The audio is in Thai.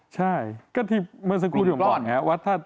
ใช่ก็ที่เมื่อสักครู่ผมบอกแหละว่าถ้า